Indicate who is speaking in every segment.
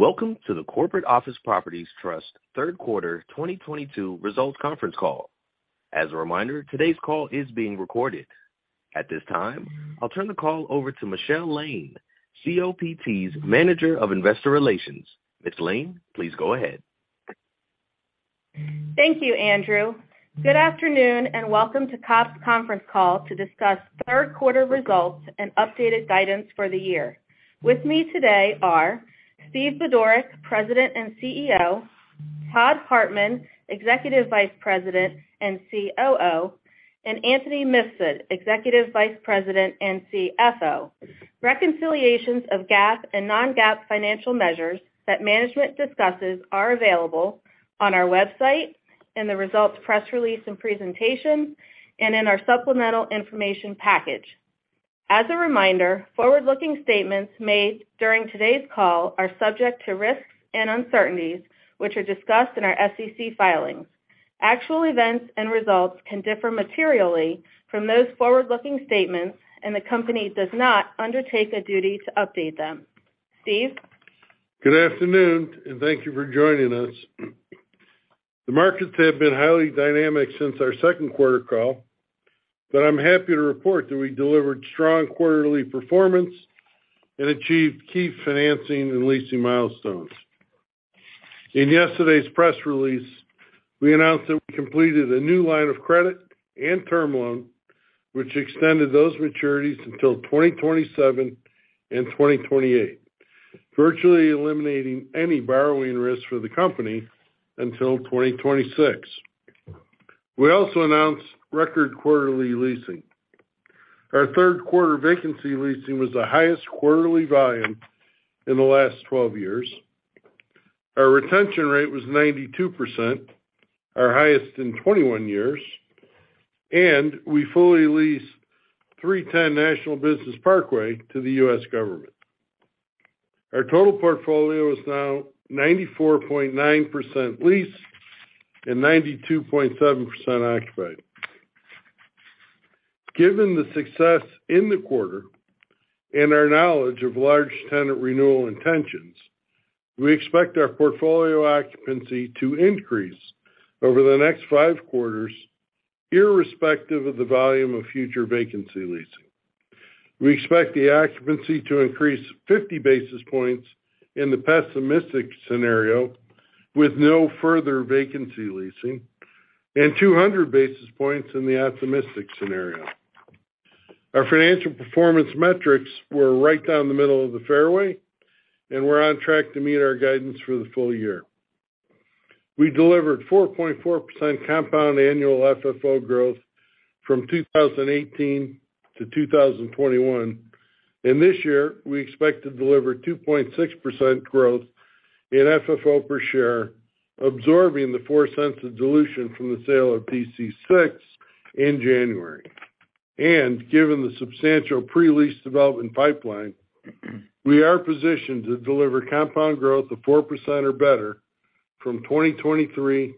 Speaker 1: Welcome to the Corporate Office Properties Trust third quarter 2022 results conference call. As a reminder, today's call is being recorded. At this time, I'll turn the call over to Michelle Lane, COPT's Manager of Investor Relations. Ms. Lane, please go ahead.
Speaker 2: Thank you, Andrew. Good afternoon, and welcome to COPT's conference call to discuss third quarter results and updated guidance for the year. With me today are Stephen Budorick, President, and CEO, Todd Hartman, Executive Vice President, and COO, and Anthony Mifsud, Executive Vice President, and CFO. Reconciliations of GAAP and non-GAAP financial measures that management discusses are available on our website in the results press release and presentations and in our supplemental information package. As a reminder, forward-looking statements made during today's call are subject to risks and uncertainties, which are discussed in our SEC filings. Actual events and results can differ materially from those forward-looking statements, and the company does not undertake a duty to update them. Stephen.
Speaker 3: Good afternoon, and thank you for joining us. The markets have been highly dynamic since our second quarter call, but I'm happy to report that we delivered strong quarterly performance and achieved key financing and leasing milestones. In yesterday's press release, we announced that we completed a new line of credit and term loan, which extended those maturities until 2027 and 2028, virtually eliminating any borrowing risk for the company until 2026. We also announced record quarterly leasing. Our third quarter vacancy leasing was the highest quarterly volume in the last 12 years. Our retention rate was 92%, our highest in 21 years, and we fully leased 310 National Business Park to the U.S. government. Our total portfolio is now 94.9% leased and 92.7% occupied. Given the success in the quarter and our knowledge of large tenant renewal intentions, we expect our portfolio occupancy to increase over the next five quarters, irrespective of the volume of future vacancy leasing. We expect the occupancy to increase 50 basis points in the pessimistic scenario with no further vacancy leasing and 200 basis points in the optimistic scenario. Our financial performance metrics were right down the middle of the fairway, and we're on track to meet our guidance for the full year. We delivered 4.4% compound annual FFO growth from 2018-2021. This year, we expect to deliver 2.6% growth in FFO per share, absorbing the $0.04 of dilution from the sale of DC-6 in January. Given the substantial pre-lease development pipeline, we are positioned to deliver compound growth of 4% or better from 2023-2026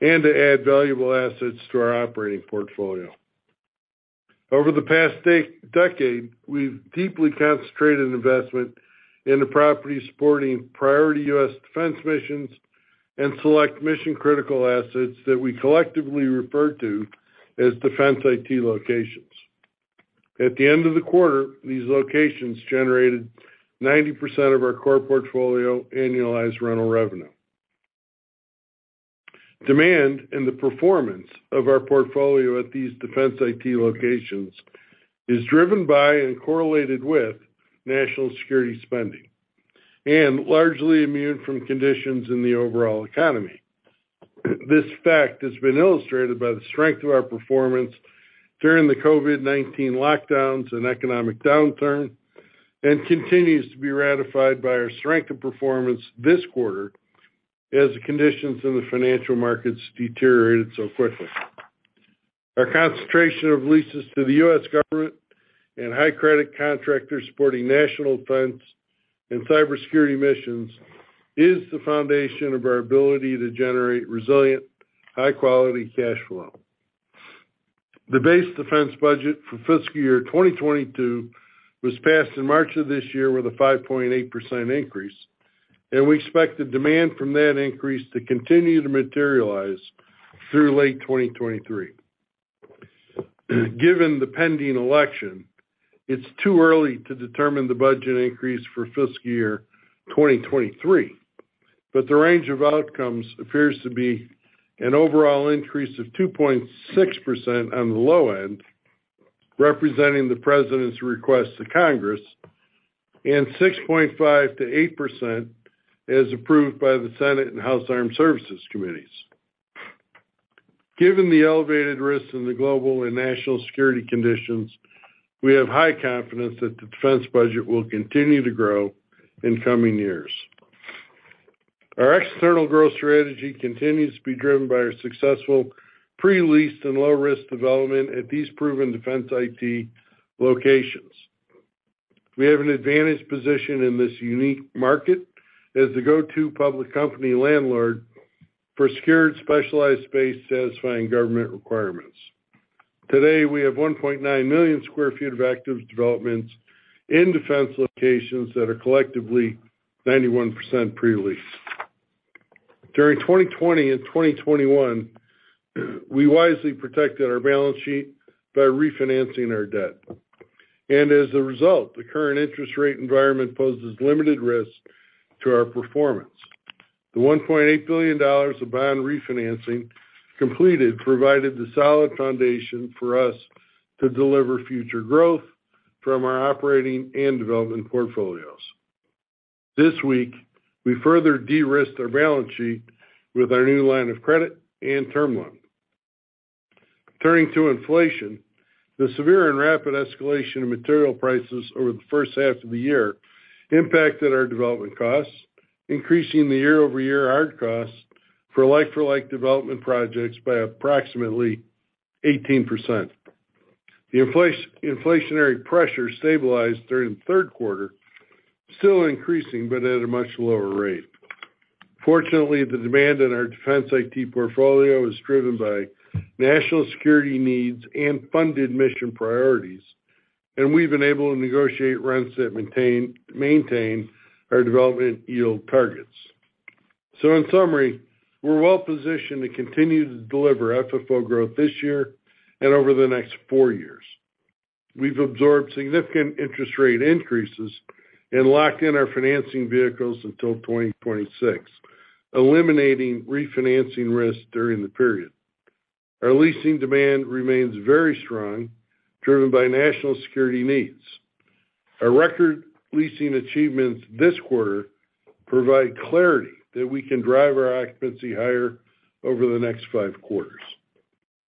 Speaker 3: and to add valuable assets to our operating portfolio. Over the past decade, we've deeply concentrated investment in the property supporting priority U.S. defense missions and select mission-critical assets that we collectively refer to as Defense IT locations. At the end of the quarter, these locations generated 90% of our core portfolio annualized rental revenue. Demand and the performance of our portfolio at these Defense IT locations is driven by and correlated with national security spending and largely immune from conditions in the overall economy. This fact has been illustrated by the strength of our performance during the COVID-19 lockdowns and economic downturn, and continues to be ratified by our strength of performance this quarter as the conditions in the financial markets deteriorated so quickly. Our concentration of leases to the U.S. government and high credit contractors supporting national defense and cybersecurity missions is the foundation of our ability to generate resilient, high-quality cash flow. The base defense budget for fiscal year 2022 was passed in March of this year with a 5.8% increase, and we expect the demand from that increase to continue to materialize through late 2023. Given the pending election, it's too early to determine the budget increase for fiscal year 2023, but the range of outcomes appears to be an overall increase of 2.6% on the low end, representing the President's request to Congress, and 6.5%-8% as approved by the Senate and House Armed Services Committees. Given the elevated risks in the global and national security conditions, we have high confidence that the defense budget will continue to grow in coming years. Our external growth strategy continues to be driven by our successful pre-leased and low-risk development at these proven Defense IT locations. We have an advantageous position in this unique market as the go-to public company landlord for secured specialized space satisfying government requirements. Today, we have 1.9 million sq ft of active developments in defense locations that are collectively 91% pre-leased. During 2020 and 2021, we wisely protected our balance sheet by refinancing our debt. As a result, the current interest rate environment poses limited risk to our performance. The $1.8 billion of bond refinancing completed provided the solid foundation for us to deliver future growth from our operating and development portfolios. This week, we further de-risked our balance sheet with our new line of credit and term loan. Turning to inflation, the severe and rapid escalation of material prices over the first half of the year impacted our development costs, increasing the year-over-year hard costs for like-for-like development projects by approximately 18%. The inflationary pressure stabilized during the third quarter, still increasing but at a much lower rate. Fortunately, the demand in our Defense IT portfolio is driven by national security needs and funded mission priorities, and we've been able to negotiate rents that maintain our development yield targets. In summary, we're well positioned to continue to deliver FFO growth this year and over the next four years. We've absorbed significant interest rate increases and locked in our financing vehicles until 2026, eliminating refinancing risks during the period. Our leasing demand remains very strong, driven by national security needs. Our record leasing achievements this quarter provide clarity that we can drive our occupancy higher over the next five quarters.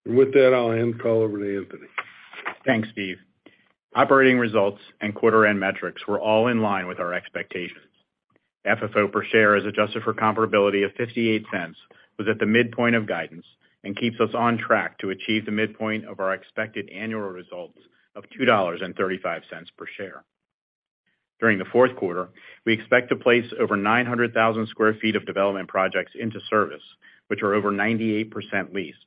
Speaker 3: With that, I'll end the call over to Anthony.
Speaker 4: Thanks, Stephen. Operating results and quarter end metrics were all in line with our expectations. FFO per share as adjusted for comparability of $0.58 was at the midpoint of guidance, and keeps us on track to achieve the midpoint of our expected annual results of $2.35 per share. During the fourth quarter, we expect to place over 900,000 sq ft of development projects into service, which are over 98% leased.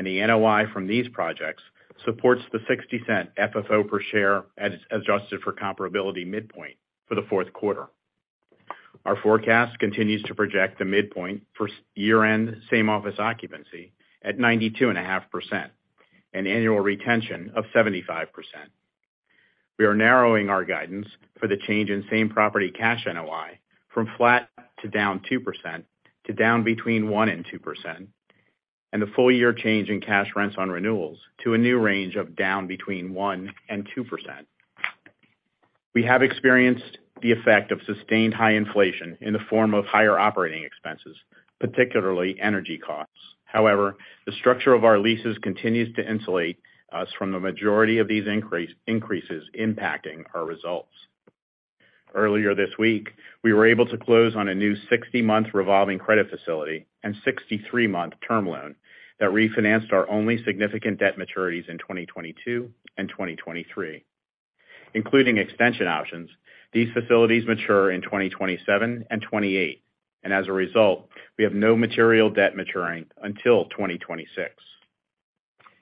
Speaker 4: The NOI from these projects supports the $0.60 FFO per share as adjusted for comparability midpoint for the fourth quarter. Our forecast continues to project the midpoint for year-end same office occupancy at 92.5%, an annual retention of 75%. We are narrowing our guidance for the change in same property cash NOI from flat to down 2% to down between 1% and 2%, and the full year change in cash rents on renewals to a new range of down between 1% and 2%. We have experienced the effect of sustained high inflation in the form of higher operating expenses, particularly energy costs. However, the structure of our leases continues to insulate us from the majority of these increases impacting our results. Earlier this week, we were able to close on a new 60-month revolving credit facility and 63-month term loan that refinanced our only significant debt maturities in 2022 and 2023. Including extension options, these facilities mature in 2027 and 2028, and as a result, we have no material debt maturing until 2026.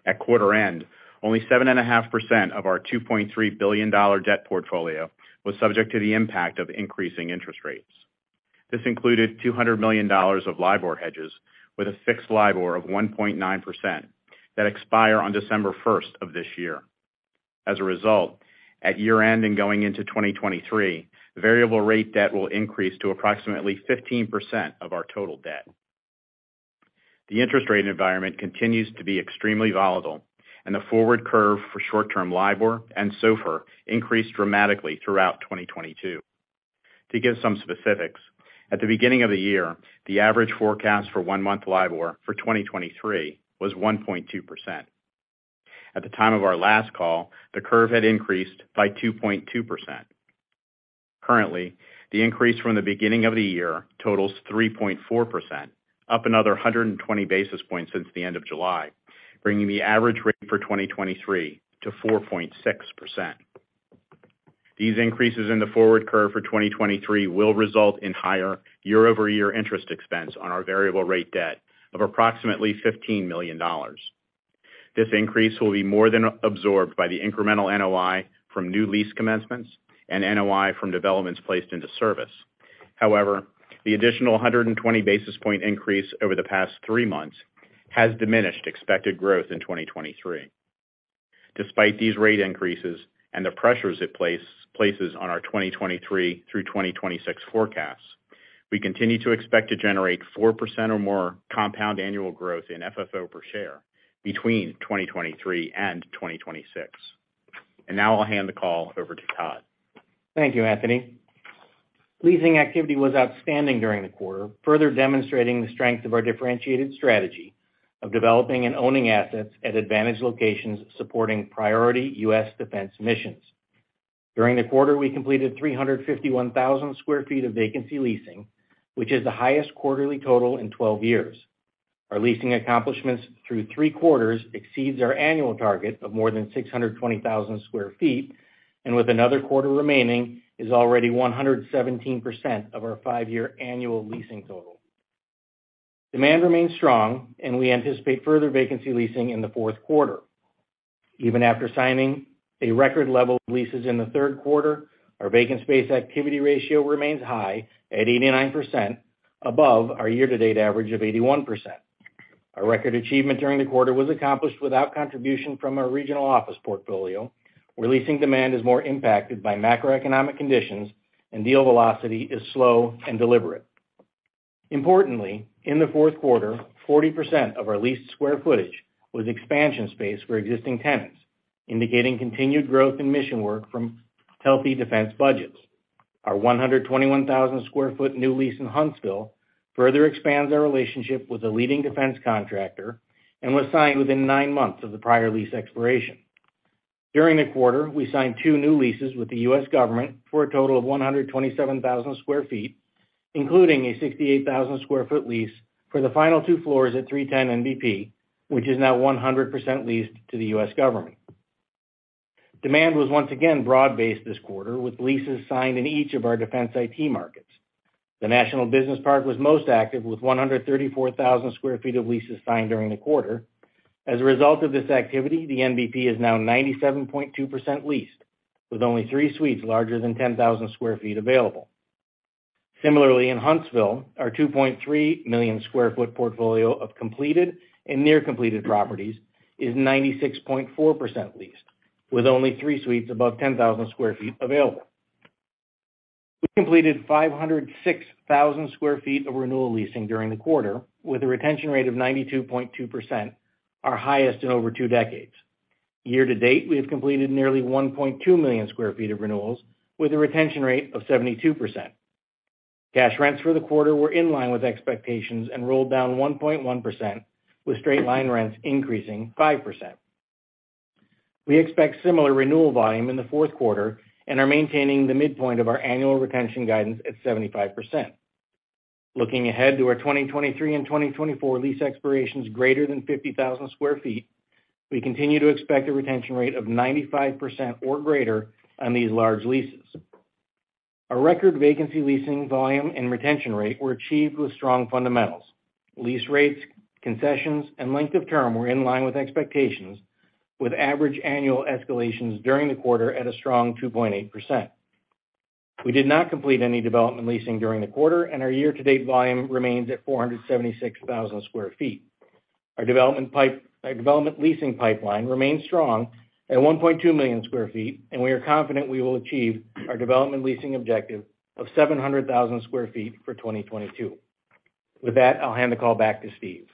Speaker 4: At quarter end, only 7.5% of our $2.3 billion debt portfolio was subject to the impact of increasing interest rates. This included $200 million of LIBOR hedges with a fixed LIBOR of 1.9% that expire on December 1st of this year. As a result, at year-end and going into 2023, the variable rate debt will increase to approximately 15% of our total debt. The interest rate environment continues to be extremely volatile, and the forward curve for short-term LIBOR and SOFR increased dramatically throughout 2022. To give some specifics, at the beginning of the year, the average forecast for one-month LIBOR for 2023 was 1.2%. At the time of our last call, the curve had increased by 2.2%. Currently, the increase from the beginning of the year totals 3.4%, up another 120 basis points since the end of July, bringing the average rate for 2023-4.6%. These increases in the forward curve for 2023 will result in higher year-over-year interest expense on our variable rate debt of approximately $15 million. This increase will be more than absorbed by the incremental NOI from new lease commencements and NOI from developments placed into service. However, the additional 120 basis point increase over the past three months has diminished expected growth in 2023. Despite these rate increases and the pressures it places on our 2023-2026 forecasts, we continue to expect to generate 4% or more compound annual growth in FFO per share between 2023 and 2026. Now I'll hand the call over to Todd.
Speaker 5: Thank you, Anthony. Leasing activity was outstanding during the quarter, further demonstrating the strength of our differentiated strategy of developing and owning assets at advantage locations supporting priority U.S. Defense missions. During the quarter, we completed 351,000 sq ft of vacancy leasing, which is the highest quarterly total in 12 years. Our leasing accomplishments through 3/4 exceeds our annual target of more than 620,000 sq ft, and with another quarter remaining, is already 117% of our five-year annual leasing total. Demand remains strong, and we anticipate further vacancy leasing in the fourth quarter. Even after signing a record level of leases in the third quarter, our vacant space activity ratio remains high at 89% above our year-to-date average of 81%. Our record achievement during the quarter was accomplished without contribution from our regional office portfolio, where leasing demand is more impacted by macroeconomic conditions and deal velocity is slow and deliberate. Importantly, in the fourth quarter, 40% of our leased square footage was expansion space for existing tenants, indicating continued growth in mission work from healthy defense budgets. Our 121,000 sq ft new lease in Huntsville further expands our relationship with a leading defense contractor and was signed within nine months of the prior lease expiration. During the quarter, we signed two new leases with the U.S. Government for a total of 127,000 sq ft, including a 68,000 sq ft lease for the final two floors at 310 NBP, which is now 100% leased to the U.S. Government. Demand was once again broad-based this quarter, with leases signed in each of our Defense IT markets. The National Business Park was most active, with 134,000 sq ft of leases signed during the quarter. As a result of this activity, the NBP is now 97.2% leased, with only three suites larger than 10,000 sq ft available. Similarly, in Huntsville, our 2.3 million sq ft portfolio of completed and near completed properties is 96.4% leased, with only three suites above 10,000 sq ft available. We completed 506,000 sq ft of renewal leasing during the quarter, with a retention rate of 92.2%, our highest in over two decades. Year to date, we have completed nearly 1.2 million sq ft of renewals with a retention rate of 72%. Cash rents for the quarter were in line with expectations and rolled down 1.1%, with straight line rents increasing 5%. We expect similar renewal volume in the fourth quarter and are maintaining the midpoint of our annual retention guidance at 75%. Looking ahead to our 2023 and 2024 lease expirations greater than 50,000 sq ft, we continue to expect a retention rate of 95% or greater on these large leases. Our record vacancy leasing volume and retention rate were achieved with strong fundamentals. Lease rates, concessions, and length of term were in line with expectations, with average annual escalations during the quarter at a strong 2.8%. We did not complete any development leasing during the quarter, and our year-to-date volume remains at 476,000 sq ft. Our development leasing pipeline remains strong at 1.2 million sq ft, and we are confident we will achieve our development leasing objective of 700,000 sq ft for 2022. With that, I'll hand the call back to Stephen.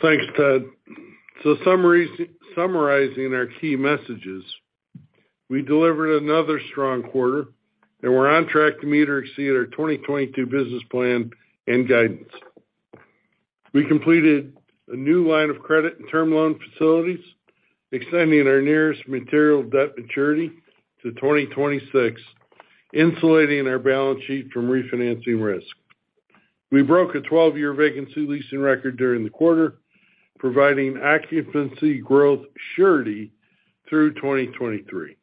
Speaker 3: Thanks, Todd. Summarizing our key messages, we delivered another strong quarter, and we're on track to meet or exceed our 2022 business plan and guidance. We completed a new line of credit and term loan facilities, extending our nearest material debt maturity to 2026, insulating our balance sheet from refinancing risk. We broke a 12-year vacancy leasing record during the quarter, providing occupancy growth surety through 2023.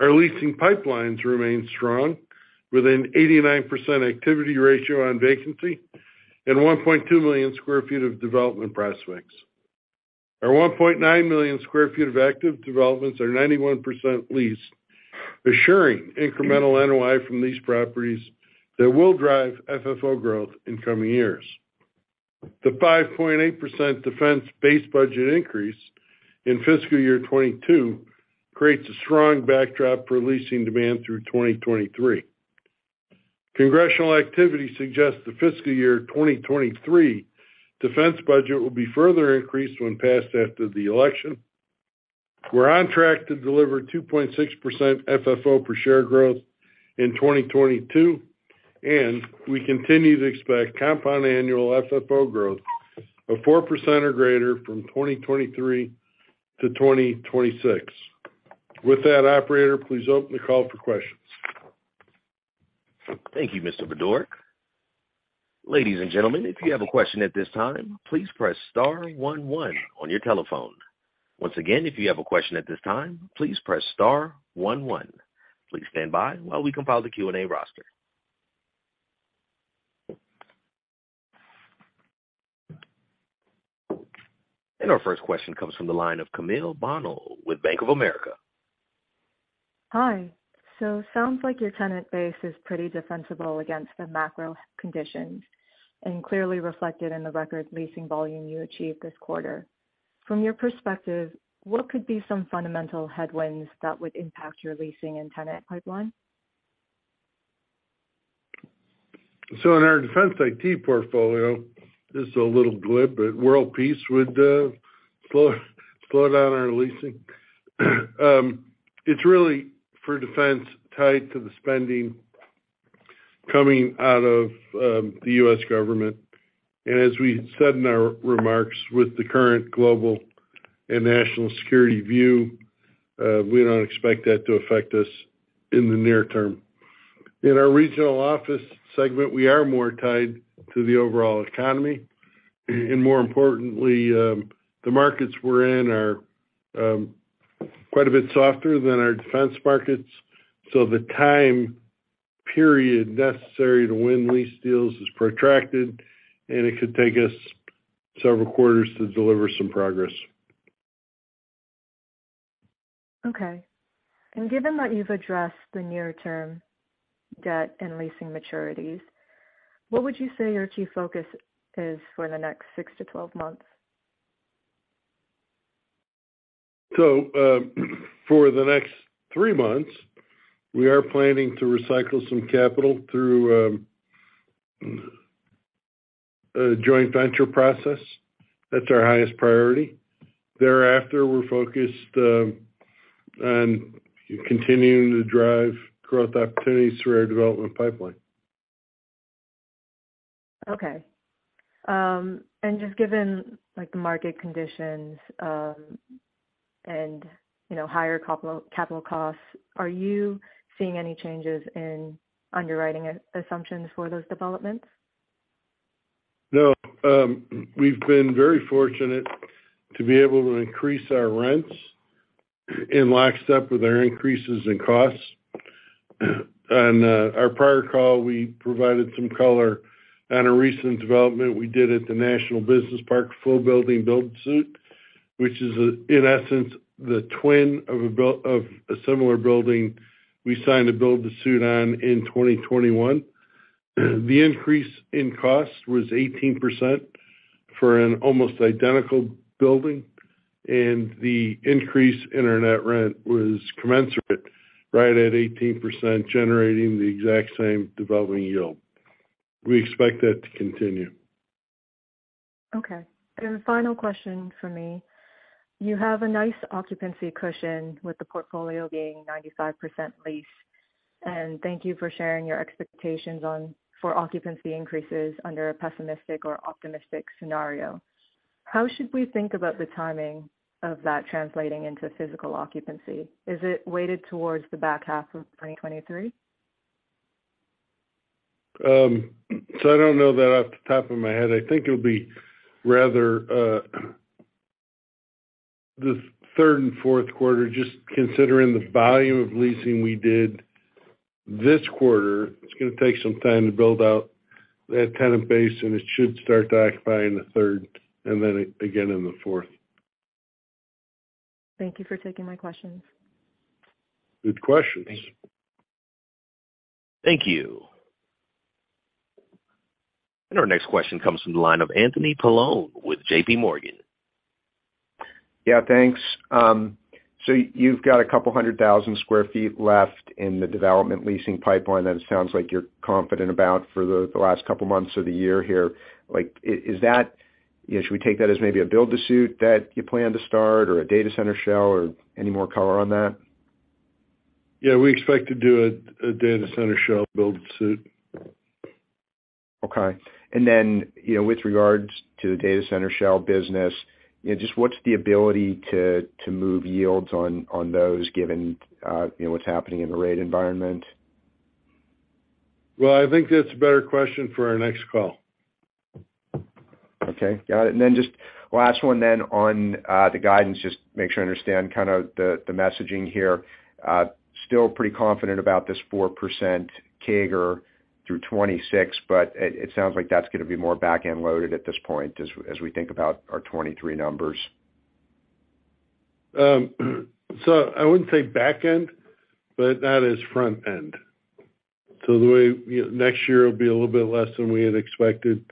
Speaker 3: Our leasing pipelines remain strong with an 89% activity ratio on vacancy and 1.2 million sq ft of development prospects. Our 1.9 million sq ft of active developments are 91% leased, assuring incremental NOI from lease properties that will drive FFO growth in coming years. The 5.8% defense base budget increase in fiscal year 2022 creates a strong backdrop for leasing demand through 2023. Congressional activity suggests the fiscal year 2023 defense budget will be further increased when passed after the election. We're on track to deliver 2.6% FFO per share growth in 2022, and we continue to expect compound annual FFO growth of 4% or greater from 2023-2026. With that, operator, please open the call for questions.
Speaker 1: Thank you, Mr. Budorick. Ladies and gentlemen, if you have a question at this time, please press star one one on your telephone. Once again, if you have a question at this time, please press star one one. Please stand by while we compile the Q&A roster. Our first question comes from the line of Camille Bonnell with Bank of America.
Speaker 6: Hi. Sounds like your tenant base is pretty defensible against the macro conditions and clearly reflected in the record leasing volume you achieved this quarter. From your perspective, what could be some fundamental headwinds that would impact your leasing and tenant pipeline?
Speaker 3: In our Defense IT portfolio, this is a little glib, but world peace would slow down our leasing. It's really tied to defense spending coming out of the U.S. Government. As we said in our remarks with the current global and national security view, we don't expect that to affect us in the near term. In our regional office segment, we are more tied to the overall economy. More importantly, the markets we're in are quite a bit softer than our defense markets. The time period necessary to win lease deals is protracted, and it could take us several quarters to deliver some progress.
Speaker 6: Okay. Given that you've addressed the near-term debt and leasing maturities, what would you say your key focus is for the next six-12 months?
Speaker 3: For the next three months, we are planning to recycle some capital through a joint venture process. That's our highest priority. Thereafter, we're focused on continuing to drive growth opportunities through our development pipeline.
Speaker 6: Okay. Just given, like, the market conditions, and, you know, higher capital costs, are you seeing any changes in underwriting assumptions for those developments?
Speaker 3: No. We've been very fortunate to be able to increase our rents in lockstep with our increases in costs. On our prior call, we provided some color on a recent development we did at the National Business Park full building build-to-suit, which is, in essence, the twin of a similar building we signed a build-to-suit on in 2021. The increase in cost was 18% for an almost identical building, and the increase in our net rent was commensurate right at 18%, generating the exact same development yield. We expect that to continue.
Speaker 6: Okay. Final question from me. You have a nice occupancy cushion with the portfolio being 95% leased. Thank you for sharing your expectations on, for occupancy increases under a pessimistic or optimistic scenario. How should we think about the timing of that translating into physical occupancy? Is it weighted towards the back half of 2023?
Speaker 3: I don't know that off the top of my head. I think it'll be in the third and fourth quarter, just considering the volume of leasing we did this quarter. It's gonna take some time to build out that tenant base, and it should start to occupy in the third and then again in the fourth.
Speaker 6: Thank you for taking my questions.
Speaker 3: Good questions.
Speaker 1: Thank you. Thank you. Our next question comes from the line of Anthony Paolone with JPMorgan.
Speaker 7: Yeah, thanks. You've got 200,000 sq ft left in the development leasing pipeline that it sounds like you're confident about for the last two months of the year here. Like, is that, you know, should we take that as maybe a build to suit that you plan to start or a data center shell or any more color on that?
Speaker 3: Yeah, we expect to do a data center shell build-out.
Speaker 7: Okay. You know, with regards to the data center shell business, you know, just what's the ability to move yields on those given, you know, what's happening in the rate environment?
Speaker 3: Well, I think that's a better question for our next call.
Speaker 7: Okay. Got it. Just last one then on the guidance, just make sure I understand kind of the messaging here. Still pretty confident about this 4% CAGR through 2026, but it sounds like that's gonna be more back-end loaded at this point as we think about our 2023 numbers.
Speaker 3: I wouldn't say back end, but that is front end. The way, you know, next year will be a little bit less than we had expected.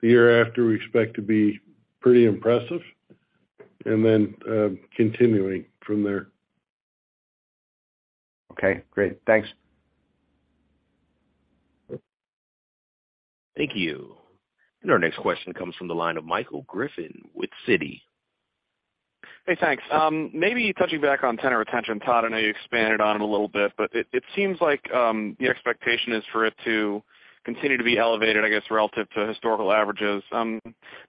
Speaker 3: The year after we expect to be pretty impressive, and then, continuing from there.
Speaker 7: Okay, great. Thanks.
Speaker 1: Thank you. Our next question comes from the line of Michael Griffin with Citi.
Speaker 8: Hey, thanks. Maybe touching back on tenant retention, Todd, I know you expanded on it a little bit, but it seems like the expectation is for it to continue to be elevated, I guess, relative to historical averages.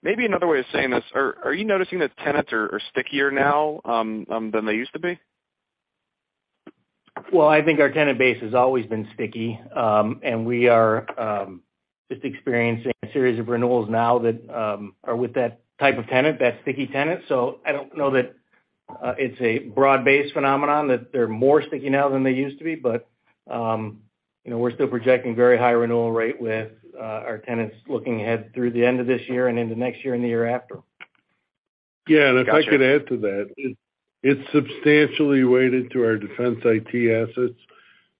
Speaker 8: Maybe another way of saying this, are you noticing that tenants are stickier now than they used to be?
Speaker 5: Well, I think our tenant base has always been sticky. We are just experiencing a series of renewals now that are with that type of tenant, that sticky tenant. I don't know that it's a broad-based phenomenon that they're more sticky now than they used to be. You know, we're still projecting very high renewal rate with our tenants looking ahead through the end of this year and into next year and the year after.
Speaker 3: Yeah.
Speaker 8: Gotcha.
Speaker 3: If I could add to that, it's substantially weighted to our Defense IT assets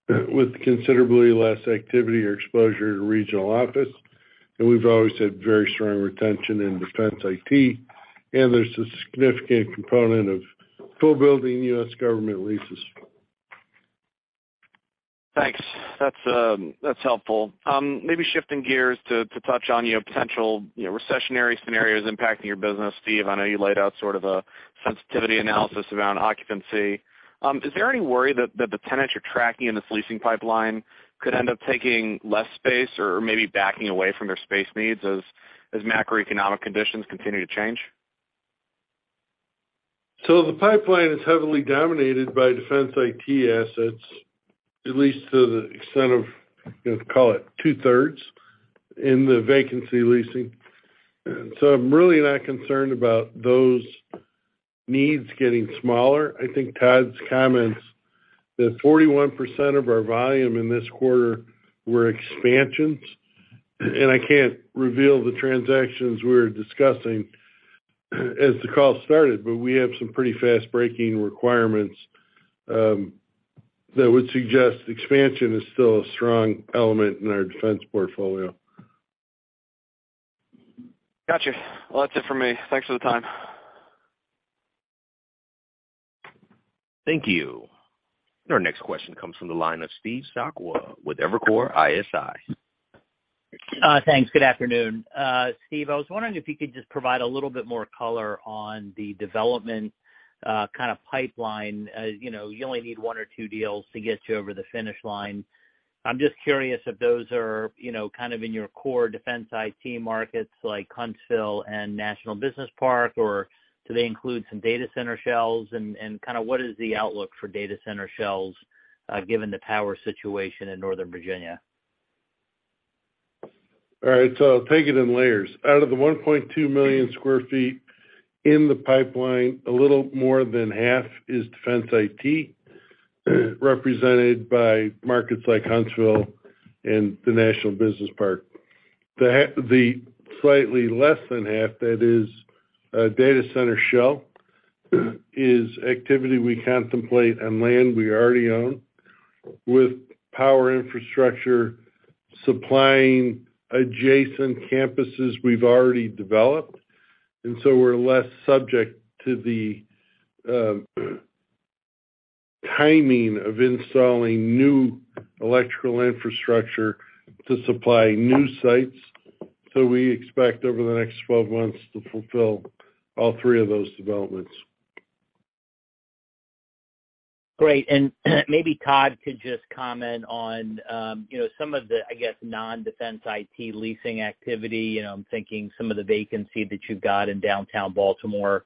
Speaker 3: with considerably less activity or exposure to regional office. We've always had very strong retention in Defense IT, and there's a significant component of full building U.S. Government leases.
Speaker 8: Thanks. That's helpful. Maybe shifting gears to touch on you know potential you know recessionary scenarios impacting your business. Stephen, I know you laid out sort of a sensitivity analysis around occupancy. Is there any worry that the tenants you're tracking in this leasing pipeline could end up taking less space or maybe backing away from their space needs as macroeconomic conditions continue to change?
Speaker 3: The pipeline is heavily dominated by Defense IT assets, at least to the extent of, you know, call it two-thirds in the vacancy leasing. I'm really not concerned about those needs getting smaller. I think Todd's comments that 41% of our volume in this quarter were expansions, and I can't reveal the transactions we were discussing as the call started, but we have some pretty fast-breaking requirements, that would suggest expansion is still a strong element in our defense portfolio.
Speaker 8: Got you. Well, that's it for me. Thanks for the time.
Speaker 1: Thank you. Our next question comes from the line of Steve Sakwa with Evercore ISI.
Speaker 9: Thanks. Good afternoon. Stephen, I was wondering if you could just provide a little bit more color on the development kind of pipeline. You know, you only need one or two deals to get you over the finish line. I'm just curious if those are, you know, kind of in your core Defense IT markets like Huntsville and National Business Park, or do they include some data center shells? Kind of what is the outlook for data center shells, given the power situation in Northern Virginia?
Speaker 3: I'll take it in layers. Out of the 1.2 million sq ft in the pipeline, a little more than half is Defense IT, represented by markets like Huntsville and the National Business Park. The slightly less than half that is a data center shell is activity we contemplate on land we already own, with power infrastructure supplying adjacent campuses we've already developed. We're less subject to the timing of installing new electrical infrastructure to supply new sites. We expect over the next 12 months to fulfill all three of those developments.
Speaker 9: Great. Maybe Todd could just comment on, you know, some of the, I guess, non-defense IT leasing activity. You know, I'm thinking some of the vacancy that you've got in downtown Baltimore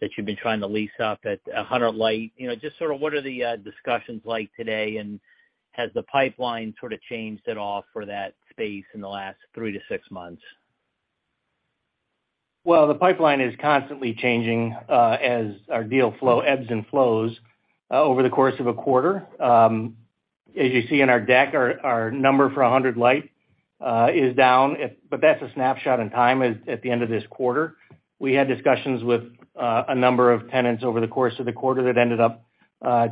Speaker 9: that you've been trying to lease up at 100 Light. You know, just sort of what are the discussions like today, and has the pipeline sort of changed at all for that space in the last three-six months?
Speaker 5: Well, the pipeline is constantly changing as our deal flow ebbs and flows over the course of 1/4. As you see in our deck, our number for 100 Light is down but that's a snapshot in time at the end of this quarter. We had discussions with a number of tenants over the course of the quarter that ended up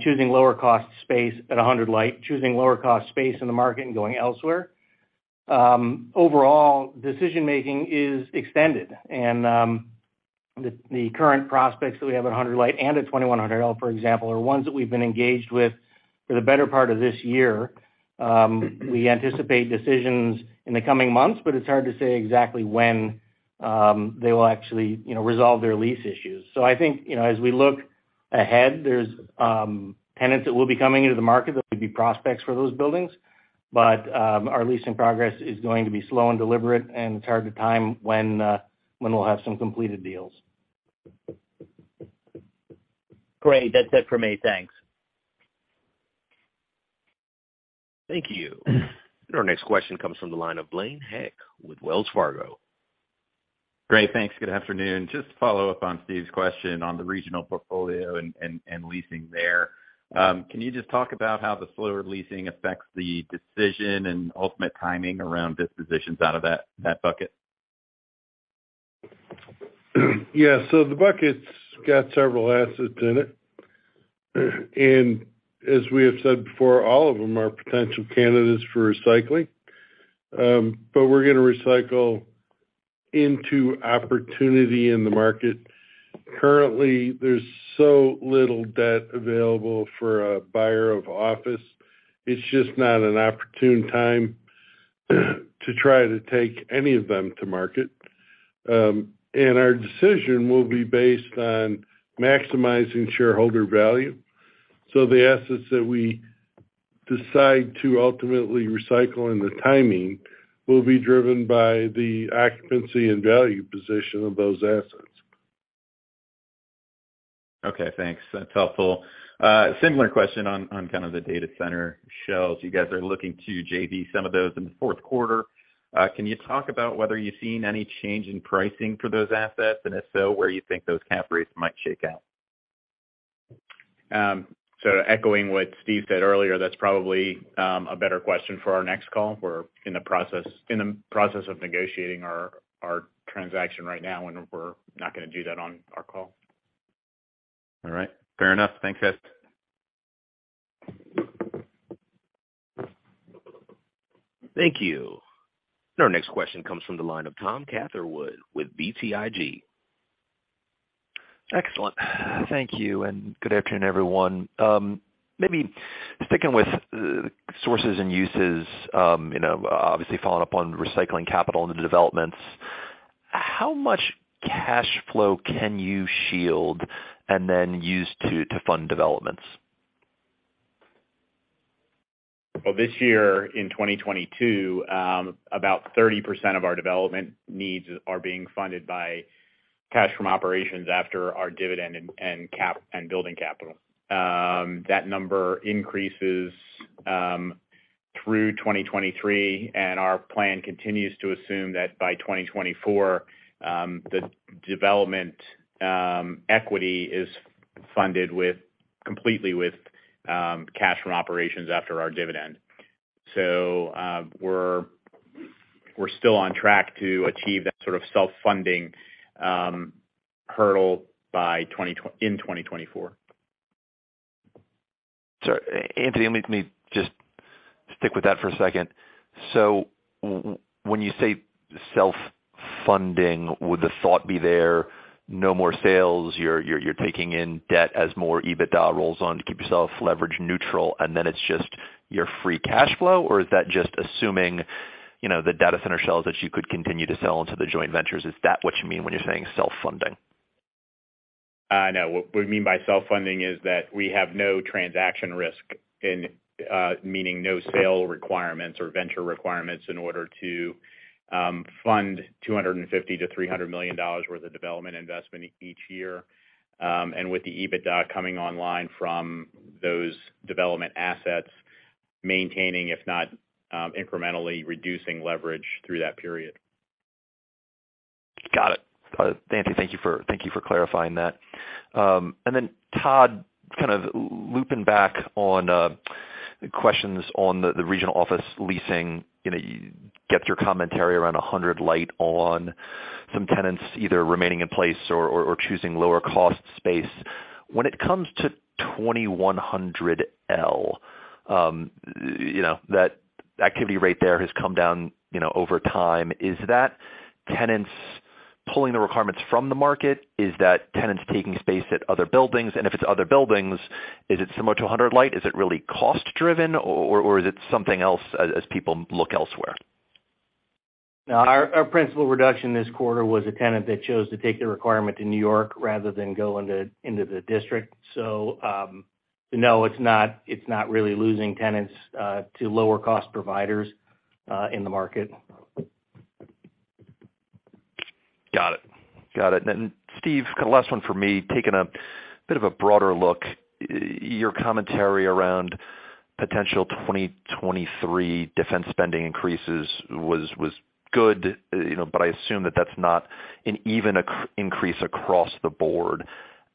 Speaker 5: choosing lower cost space at 100 Light, choosing lower cost space in the market and going elsewhere. Overall, decision-making is extended. The current prospects that we have at 100 Light and at 2100 L, for example, are ones that we've been engaged with for the better part of this year. We anticipate decisions in the coming months, but it's hard to say exactly when they will actually, you know, resolve their lease issues. I think, you know, as we look ahead, there's tenants that will be coming into the market that would be prospects for those buildings. Our leasing progress is going to be slow and deliberate, and it's hard to time when we'll have some completed deals.
Speaker 9: Great. That's it for me. Thanks.
Speaker 1: Thank you. Our next question comes from the line of Blaine Heck with Wells Fargo.
Speaker 10: Great. Thanks. Good afternoon. Just to follow up on Steve's question on the regional portfolio and leasing there. Can you just talk about how the slower leasing affects the decision and ultimate timing around dispositions out of that bucket?
Speaker 3: Yeah. The bucket's got several assets in it. As we have said before, all of them are potential candidates for recycling. We're gonna recycle into opportunity in the market. Currently, there's so little debt available for a buyer of office. It's just not an opportune time to try to take any of them to market. Our decision will be based on maximizing shareholder value. The assets that we decide to ultimately recycle and the timing will be driven by the occupancy and value position of those assets.
Speaker 10: Okay, thanks. That's helpful. Similar question on kind of the data center shells. You guys are looking to JV some of those in the fourth quarter. Can you talk about whether you've seen any change in pricing for those assets? If so, where you think those cap rates might shake out?
Speaker 5: Echoing what Stephen said earlier, that's probably a better question for our next call. We're in the process of negotiating our transaction right now, and we're not gonna do that on our call.
Speaker 10: All right. Fair enough. Thanks, guys.
Speaker 1: Thank you. Our next question comes from the line of Thomas Catherwood with BTIG.
Speaker 11: Excellent. Thank you, and good afternoon, everyone. Maybe sticking with sources and uses, you know, obviously following up on recycling capital into developments, how much cash flow can you shield and then use to fund developments?
Speaker 4: Well, this year in 2022, about 30% of our development needs are being funded by cash from operations after our dividend and CapEx. That number increases through 2023, and our plan continues to assume that by 2024, the development equity is funded completely with cash from operations after our dividend. We're still on track to achieve that sort of self-funding hurdle by 2024.
Speaker 11: Anthony, let me just stick with that for a second. When you say self-funding, would the thought be there no more sales, you're taking in debt as more EBITDA rolls on to keep yourself leverage neutral, and then it's just your free cash flow? Or is that just assuming, you know, the data center sales that you could continue to sell into the joint ventures? Is that what you mean when you're saying self-funding?
Speaker 4: No. What we mean by self-funding is that we have no transaction risk in, meaning no sale requirements or venture requirements in order to fund $250 million-$300 million worth of development investment each year. With the EBITDA coming online from those development assets, maintaining, if not, incrementally reducing leverage through that period.
Speaker 11: Got it. Anthony, thank you for clarifying that. Then Todd, kind of looping back on questions on the regional office leasing. You know, you get your commentary around 100 Light on some tenants either remaining in place or choosing lower cost space. When it comes to 2100 L, you know, that activity rate there has come down, you know, over time. Is that tenants pulling the requirements from the market? Is that tenants taking space at other buildings? If it's other buildings, is it similar to 100 Light? Is it really cost driven or is it something else as people look elsewhere?
Speaker 5: No, our principal reduction this quarter was a tenant that chose to take the requirement to New York rather than go into the district. No, it's not really losing tenants to lower cost providers in the market.
Speaker 11: Got it. Stephen, kind of last one for me, taking a bit of a broader look. Your commentary around potential 2023 defense spending increases was good, you know, but I assume that that's not an even increase across the board.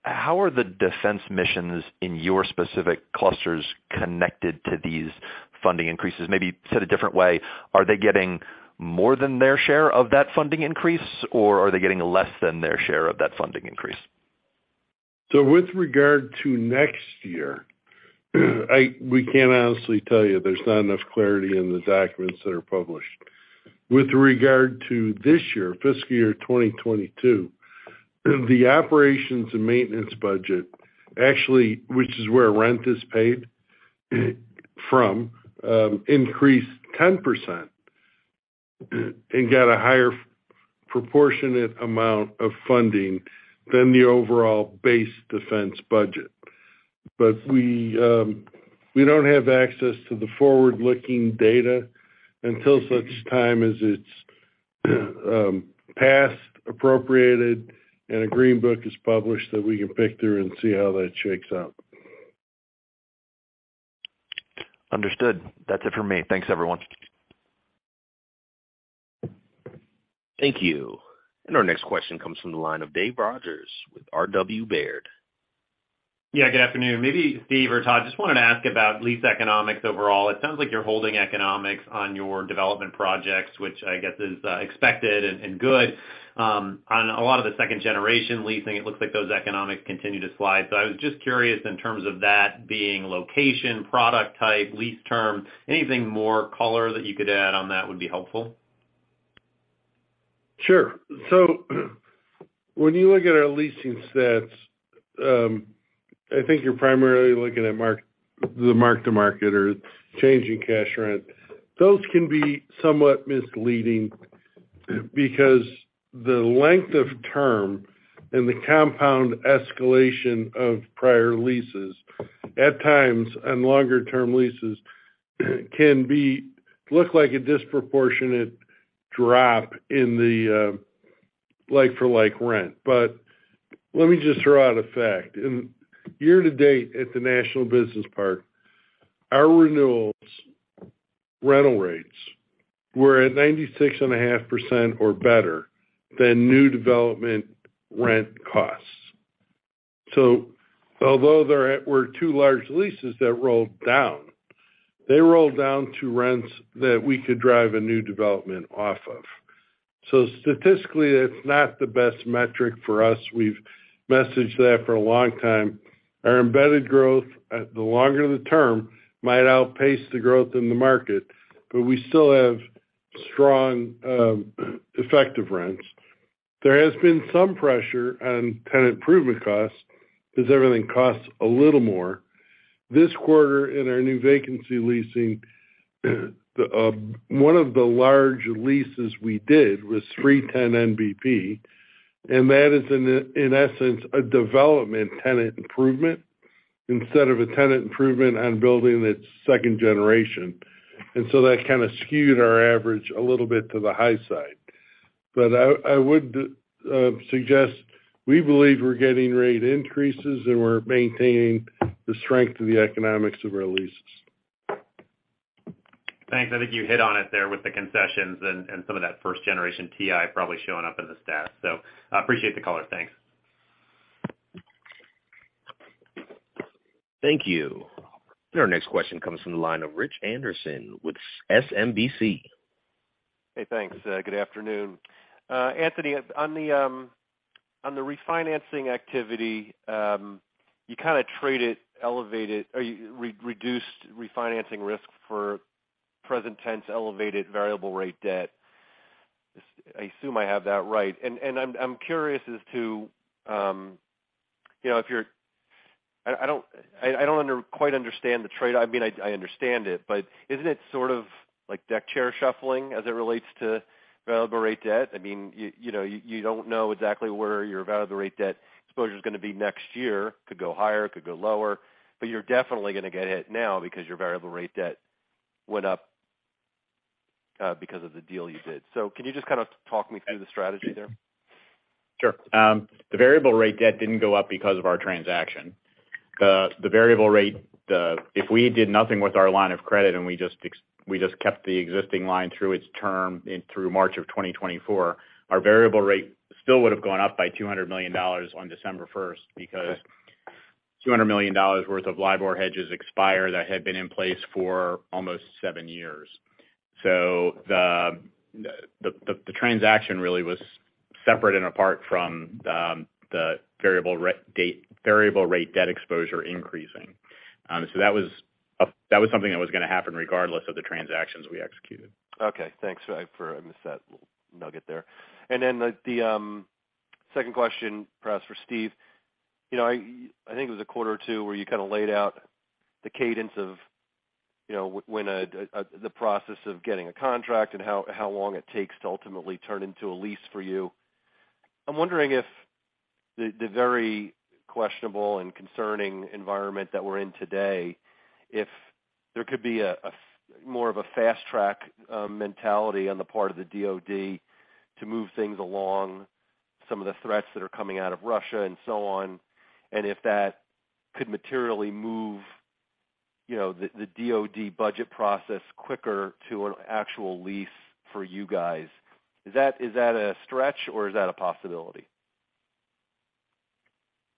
Speaker 11: How are the defense missions in your specific clusters connected to these funding increases? Maybe said a different way, are they getting more than their share of that funding increase, or are they getting less than their share of that funding increase?
Speaker 3: With regard to next year, we can't honestly tell you there's not enough clarity in the documents that are published. With regard to this year, fiscal year 2022, the operations and maintenance budget, actually, which is where rent is paid from, increased 10% and got a higher proportionate amount of funding than the overall base defense budget. We don't have access to the forward-looking data until such time as it's passed, appropriated, and a Green Book is published that we can pick through and see how that shakes out.
Speaker 11: Understood. That's it for me. Thanks, everyone.
Speaker 1: Thank you. Our next question comes from the line of Dave Rodgers with RW Baird.
Speaker 12: Yeah, good afternoon. Maybe Stephen or Todd, just wanted to ask about lease economics overall. It sounds like you're holding economics on your development projects, which I guess is expected and good. On a lot of the second generation leasing, it looks like those economics continue to slide. I was just curious in terms of that being location, product type, lease term, anything more color that you could add on that would be helpful.
Speaker 3: Sure. When you look at our leasing stats, I think you're primarily looking at the mark-to-market or change in cash rent. Those can be somewhat misleading because the length of term and the compound escalation of prior leases at times on longer term leases can look like a disproportionate drop in the like for like rent. Let me just throw out a fact. In year to date at the National Business Park, our renewals rental rates were at 96.5% or better than new development rent costs. Although there were two large leases that rolled down, they rolled down to rents that we could drive a new development off of. Statistically, that's not the best metric for us. We've messaged that for a long time. Our embedded growth at the longer term might outpace the growth in the market, but we still have strong effective rents. There has been some pressure on tenant improvement costs because everything costs a little more. This quarter in our new vacancy leasing, one of the large leases we did was 310 NBP. That is, in essence, a development tenant improvement instead of a tenant improvement on a building's second generation. That kinda skewed our average a little bit to the high side. I would suggest we believe we're getting rate increases and we're maintaining the strength of the economics of our leases.
Speaker 4: Thanks. I think you hit on it there with the concessions and some of that first generation TI probably showing up in the stats. I appreciate the color. Thanks.
Speaker 1: Thank you. Our next question comes from the line of Richard Anderson with SMBC.
Speaker 13: Hey, thanks. Good afternoon. Anthony, on the refinancing activity, you kinda traded elevated or reduced refinancing risk for presently elevated variable rate debt. I assume I have that right. I'm curious as to, you know, if you're. I don't quite understand the trade. I mean, I understand it, but isn't it sort of like deck chair shuffling as it relates to variable rate debt? I mean, you know, you don't know exactly where your variable rate debt exposure's gonna be next year. Could go higher, could go lower. You're definitely gonna get hit now because your variable rate debt went up because of the deal you did. Can you just kinda talk me through the strategy there?
Speaker 4: Sure. The variable rate debt didn't go up because of our transaction. The variable rate. If we did nothing with our line of credit and we just kept the existing line through its term through March of 2024, our variable rate still would have gone up by $200 million on December 1st, because $200 million worth of LIBOR hedges expire that had been in place for almost seven years. The transaction really was separate and apart from the variable rate debt exposure increasing. That was something that was gonna happen regardless of the transactions we executed.
Speaker 13: Okay. Thanks. I missed that little nugget there. Then the second question, perhaps for Stephen. You know, I think it was 1/4 or two where you kinda laid out the cadence of, you know, when the process of getting a contract and how long it takes to ultimately turn into a lease for you. I'm wondering if the very questionable and concerning environment that we're in today, if there could be more of a fast track mentality on the part of the DoD to move things along, some of the threats that are coming out of Russia and so on, and if that could materially move, you know, the DoD budget process quicker to an actual lease for you guys. Is that a stretch or is that a possibility?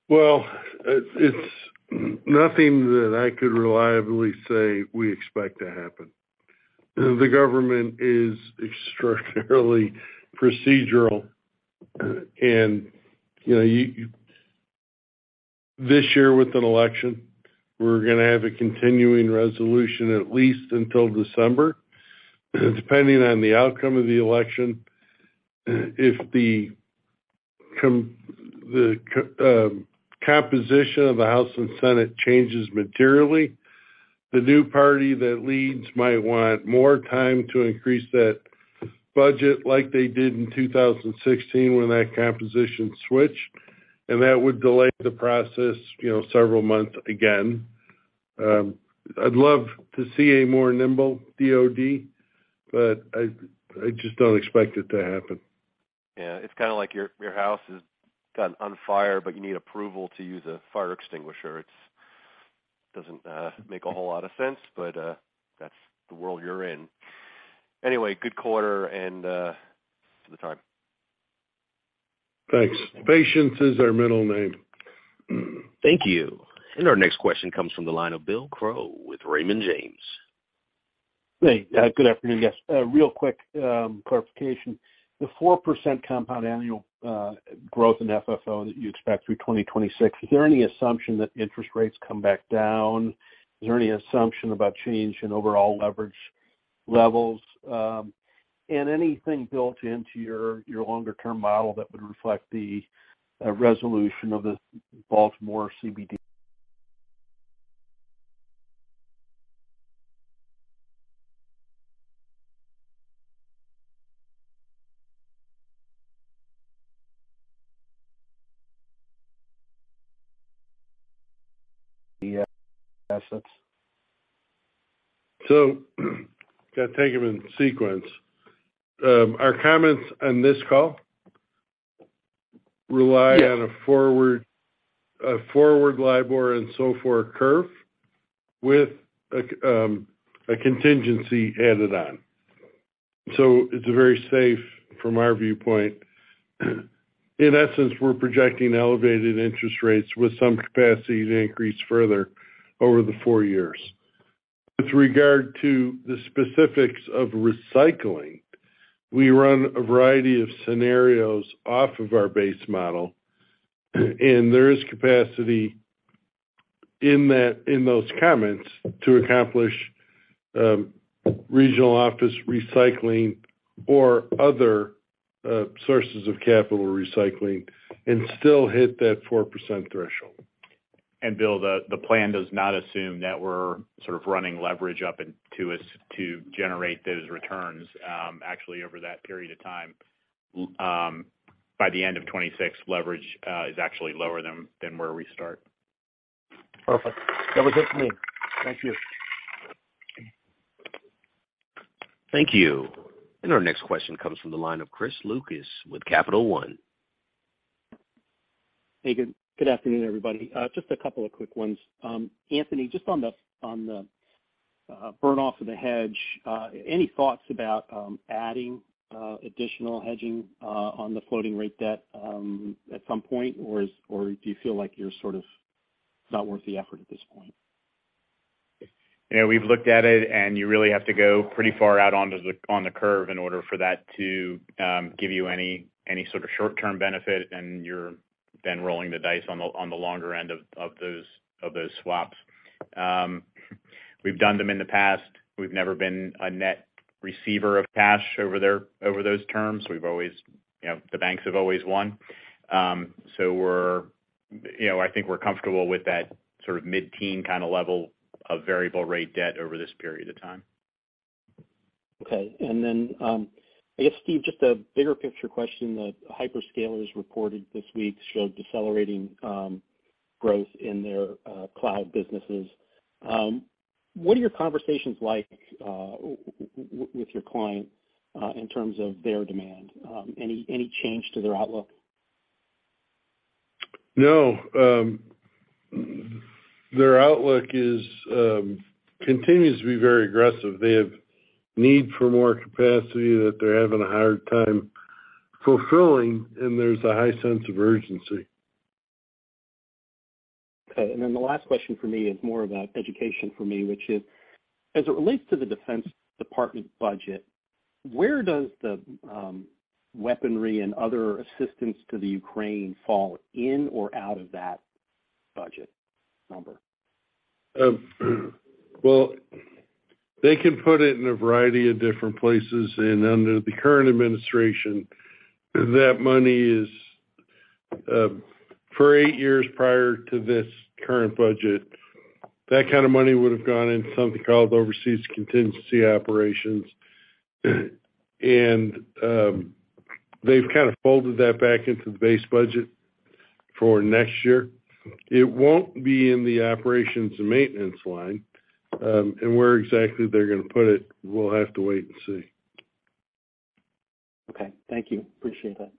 Speaker 3: Well, it's nothing that I could reliably say we expect to happen. The government is extraordinarily procedural. This year with an election, we're gonna have a continuing resolution at least until December. Depending on the outcome of the election, if the composition of the House and Senate changes materially, the new party that leads might want more time to increase that budget like they did in 2016 when that composition switched, and that would delay the process, you know, several months again. I'd love to see a more nimble DoD, but I just don't expect it to happen.
Speaker 13: Yeah. It's kinda like your house has gotten on fire, but you need approval to use a fire extinguisher. It doesn't make a whole lot of sense, but that's the world you're in. Anyway, good quarter and thanks for the time.
Speaker 3: Thanks. Patience is our middle name.
Speaker 1: Thank you. Our next question comes from the line of Bill Crow with Raymond James.
Speaker 14: Hey. Good afternoon, guys. A real quick clarification. The 4% compound annual growth in FFO that you expect through 2026, is there any assumption that interest rates come back down? Is there any assumption about change in overall leverage levels? Anything built into your longer term model that would reflect the resolution of the Baltimore CBD assets?
Speaker 3: Gotta take them in sequence. Our comments on this call rely.
Speaker 14: Yes
Speaker 3: On a forward LIBOR and SOFR curve with a contingency added on. It's very safe from our viewpoint. In essence, we're projecting elevated interest rates with some capacity to increase further over the four years. With regard to the specifics of recycling, we run a variety of scenarios off of our base model, and there is capacity in those comments to accomplish regional office recycling or other sources of capital recycling and still hit that 4% threshold.
Speaker 4: Bill, the plan does not assume that we're sort of running leverage up into this to generate those returns, actually over that period of time. By the end of 2026, leverage is actually lower than where we start.
Speaker 14: Perfect. That was it for me. Thank you.
Speaker 1: Thank you. Our next question comes from the line of Chris Lucas with Capital One.
Speaker 15: Hey, good afternoon, everybody. Just a couple of quick ones. Anthony, just on the burn-off of the hedge, any thoughts about adding additional hedging on the floating rate debt at some point? Or do you feel like you're sort of not worth the effort at this point?
Speaker 4: Yeah, we've looked at it and you really have to go pretty far out onto the curve in order for that to give you any sort of short-term benefit, and you're then rolling the dice on the longer end of those swaps. We've done them in the past. We've never been a net receiver of cash over there, over those terms. We've always, you know, the banks have always won. We're, you know, I think we're comfortable with that sort of mid-teen kinda level of variable rate debt over this period of time.
Speaker 15: Okay. I guess, Stephen, just a bigger picture question. The hyperscalers reported this week showed decelerating growth in their cloud businesses. What are your conversations like with your clients in terms of their demand? Any change to their outlook?
Speaker 3: No. Their outlook continues to be very aggressive. They have need for more capacity that they're having a hard time fulfilling, and there's a high sense of urgency.
Speaker 15: Okay. The last question for me is more about education for me, which is: As it relates to the Department of Defense budget, where does the weaponry and other assistance to the Ukraine fall in or out of that budget number?
Speaker 3: Well, they can put it in a variety of different places. Under the current administration, that money is, for eight years prior to this current budget, that kind of money would've gone into something called Overseas Contingency Operations. They've kind of folded that back into the base budget for next year. It won't be in the operations and maintenance line, and where exactly they're gonna put it, we'll have to wait and see.
Speaker 15: Okay. Thank you. Appreciate that.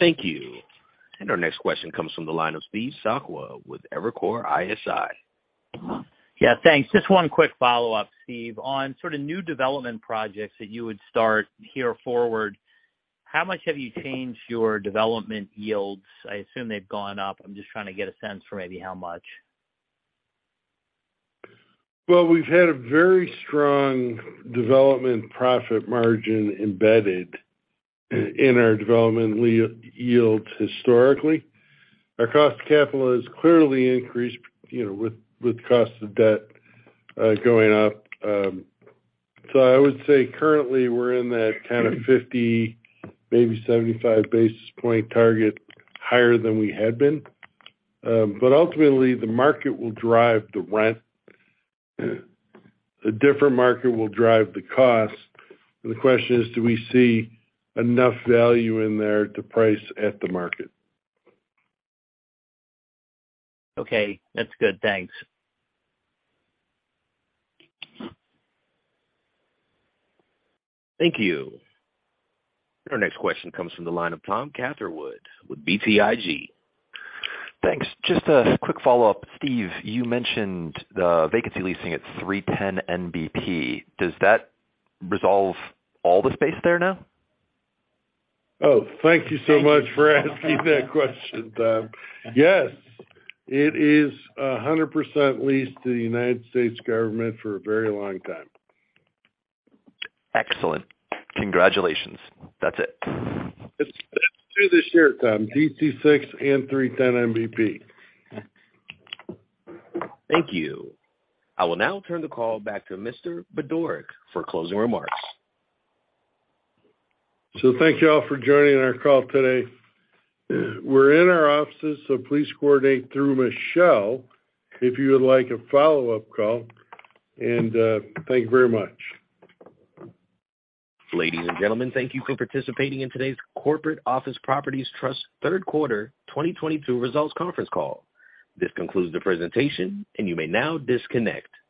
Speaker 1: Thank you. Our next question comes from the line of Steve Sakwa with Evercore ISI.
Speaker 9: Yeah, thanks. Just one quick follow-up, Stephen. On sort of new development projects that you would start here forward, how much have you changed your development yields? I assume they've gone up. I'm just trying to get a sense for maybe how much.
Speaker 3: Well, we've had a very strong development profit margin embedded in our development yields historically. Our cost of capital has clearly increased, you know, with cost of debt going up. I would say currently we're in that kind of 50, maybe 75 basis point target higher than we had been. Ultimately, the market will drive the rent. A different market will drive the cost. The question is, do we see enough value in there to price at the market?
Speaker 9: Okay. That's good. Thanks.
Speaker 1: Thank you. Our next question comes from the line of Thomas Catherwood with BTIG.
Speaker 11: Thanks. Just a quick follow-up. Stephen, you mentioned the vacancy leasing at 310 NBP. Does that resolve all the space there now?
Speaker 3: Oh, thank you so much for asking that question, Tom. Yes, it is 100% leased to the United States government for a very long time.
Speaker 11: Excellent. Congratulations. That's it.
Speaker 3: It's through this year, Tom. DC-6 and 310 NBP.
Speaker 1: Thank you. I will now turn the call back to Mr. Budorick for closing remarks.
Speaker 3: Thank you all for joining our call today. We're in our offices, so please coordinate through Michelle if you would like a follow-up call. Thank you very much.
Speaker 1: Ladies and gentlemen, thank you for participating in today's Corporate Office Properties Trust Third Quarter 2022 Results Conference Call. This concludes the presentation, and you may now disconnect. Good day.